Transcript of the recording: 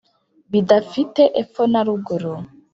Bidafite epfo na ruguru